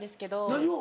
何を？